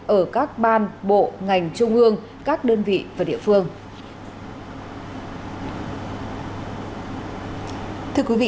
ở các ban bộ ngành trung ương các đơn vị và địa phương